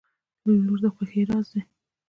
• لور د خوښۍ راز دی.